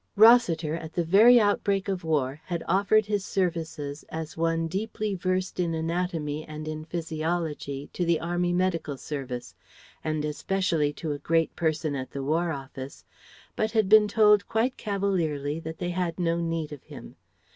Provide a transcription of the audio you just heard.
Rossiter at the very outbreak of War had offered his services as one deeply versed in anatomy and in physiology to the Army Medical Service, and especially to a great person at the War Office; but had been told quite cavalierly that they had no need of him.